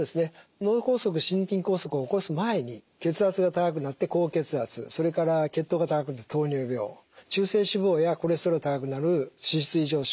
脳梗塞心筋梗塞を起こす前に血圧が高くなって高血圧それから血糖が高くなって糖尿病中性脂肪やコレステロールが高くなる脂質異常症。